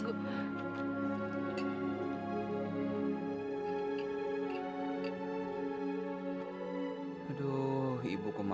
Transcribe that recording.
hanyutkan kelima admirasi untuk reason reaction chungnya